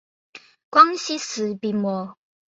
广西石笔木为山茶科石笔木属下的一个种。